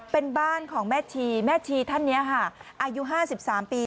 เป็นบ้านของแม่ชีแม่ชีท่านนี้ค่ะอายุ๕๓ปี